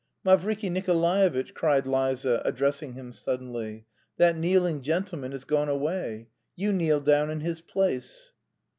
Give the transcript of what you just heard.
"Mavriky Nikolaevitch," cried Liza, addressing him suddenly. "That kneeling gentleman has gone away. You kneel down in his place."